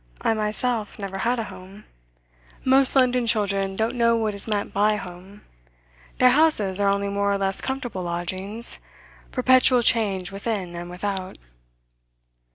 I myself never had a home; most London children don't know what is meant by home; their houses are only more or less comfortable lodgings, perpetual change within and without.